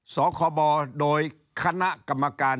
สคบโดยคณะกรรมการ